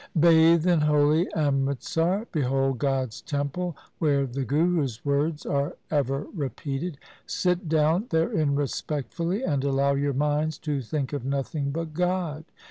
' Bathe in holy Amritsar. Behold God's temple where the Gurus' words are ever repeated. Sit down therein respectfully, and allow your minds to think of nothing but God.